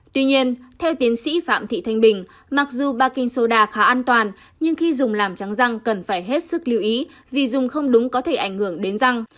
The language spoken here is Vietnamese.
tuy nhiên theo tiến sĩ phạm thị thanh bình mặc dù ba kinh soda khá an toàn nhưng khi dùng làm trắng răng cần phải hết sức lưu ý vì dùng không đúng có thể ảnh hưởng đến răng